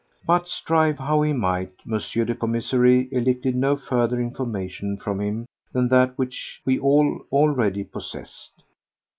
But strive how he might, M. the Commissary elicited no further information from him than that which we all already possessed.